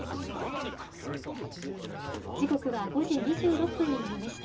時刻は５時２６分になりました。